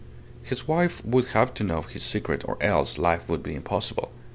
His wife would have to know his secret or else life would be impossible.